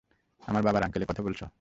আমার বাবার আংকেলের কথা বলছ?